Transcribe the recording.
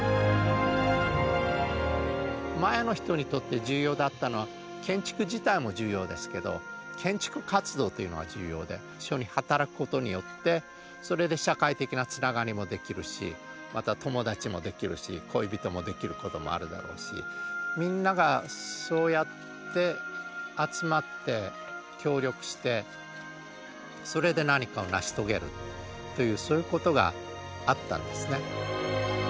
マヤの人にとって重要だったのは建築自体も重要ですけど建築活動というのが重要で一緒に働くことによってそれで社会的なつながりもできるしまた友達もできるし恋人もできることもあるだろうしみんながそうやってそういうことがあったんですね。